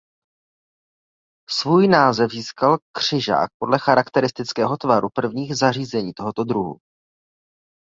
Svůj název získal křižák podle charakteristického tvaru prvních zařízení tohoto druhu.